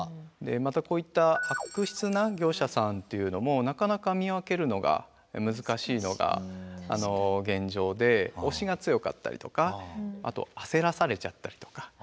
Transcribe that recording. またこういった悪質な業者さんっていうのもなかなか見分けるのが難しいのが現状で押しが強かったりとかあと焦らされちゃったりとか。